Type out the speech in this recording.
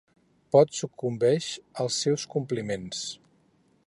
Pot sucumbeix als seus compliments.